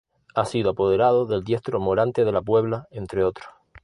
Ha sido apoderado del diestro Morante de la Puebla entre otros.